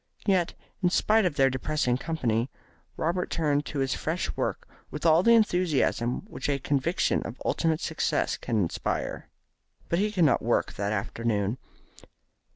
Yet, in spite of their depressing company, Robert turned to his fresh work with all the enthusiasm which a conviction of ultimate success can inspire. But he could not work that afternoon.